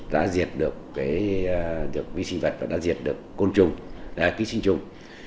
đã diệt được vi sinh vật và đã diệt được côn trùng